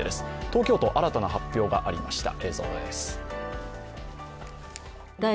東京都、新たな発表がありました。